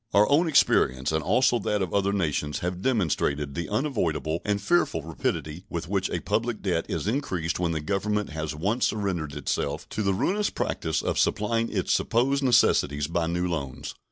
Our own experience and also that of other nations have demonstrated the unavoidable and fearful rapidity with which a public debt is increased when the Government has once surrendered itself to the ruinous practice of supplying its supposed necessities by new loans.